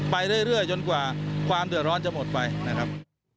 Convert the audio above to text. ไปเรื่อยจนกว่าความเดือดร้อนจะหมดไปนะครับ